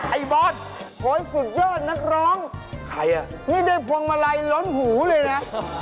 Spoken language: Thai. ไอ้บอสโค้ยสุดยอดนักร้องใครอ่ะนี่ได้พวงมาลัยล้นหูเลยนะ